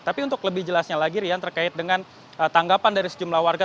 tapi untuk lebih jelasnya lagi rian terkait dengan tanggapan dari sejumlah warga